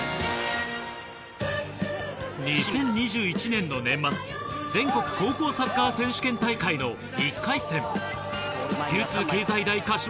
２０２１年の年末全国高校サッカー選手権大会の１回戦。